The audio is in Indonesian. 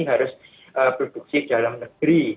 harus produksi dalam negeri